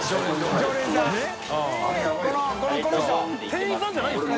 店員さんじゃないんですか？